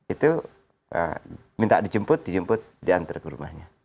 itu minta dijemput dijemput diantar ke rumahnya